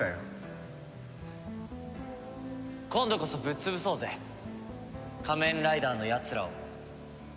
今度こそぶっ潰そうぜ仮面ライダーのやつらを。